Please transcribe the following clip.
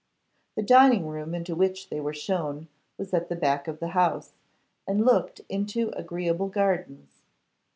The dining room into which they were shown was at the back of the house, and looked into agreeable gardens.